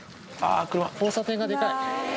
交差点がデカい。